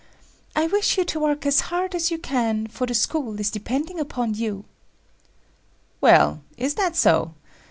I wish you to work as hard as you can, for the school is depending upon you." "Well, is that so.